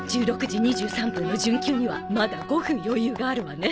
１６時２３分の準急にはまだ５分余裕があるわね。